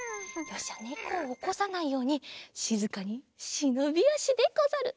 よしじゃねこをおこさないようにしずかにしのびあしでござる。